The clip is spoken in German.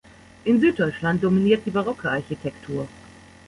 In Süddeutschland dominiert die barocke Architektur.